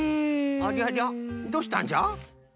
ありゃりゃどうしたんじゃ？